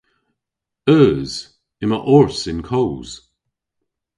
Eus. Yma ors y'n koos.